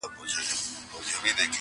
چې هوا چېرته را لرې کړي د شپې ور